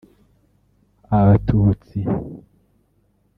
abatutsi)